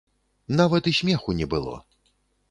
Нават і смеху не было.